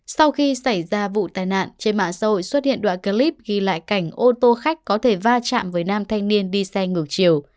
sau khi xảy ra vụ tai nạn trên mạng xã hội xuất hiện đoạn clip ghi lại cảnh ô tô khách có thể va chạm với nam thanh niên đi xe ngược chiều